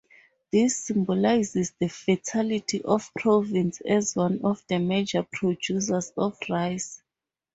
This symbolizes the fertility of province as one of the major producers of rice.